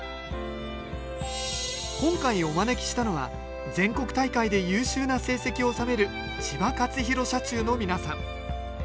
今回お招きしたのは全国大会で優秀な成績を収める千葉勝弘社中の皆さん。